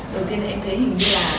đầu tiên em thấy hình như là